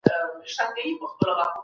علم انسان ته د خلافت حق ورکړ.